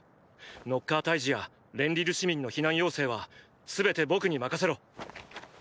ノッカー退治やレンリル市民の避難要請は全て僕に任せろ。